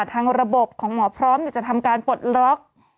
ทางระบบของหมอพร้อมจะทำการปลดล็อก